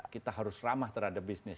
kita harus ramah terhadap bisnis